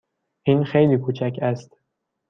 این خیلی کوچک است.